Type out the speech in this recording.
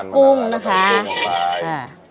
มีกุ้งใช่มั้ย